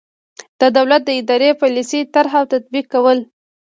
د دولت د اداري پالیسۍ طرح او تطبیق کول.